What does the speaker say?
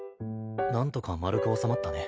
なんとか丸く収まったね。